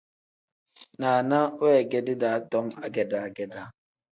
Naana weegedi daa tom agedaa-gedaa.